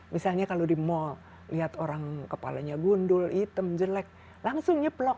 misalnya kalau di mall lihat orang kepalanya gundul hitam jelek langsung nyeplok